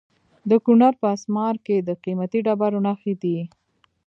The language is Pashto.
د کونړ په اسمار کې د قیمتي ډبرو نښې دي.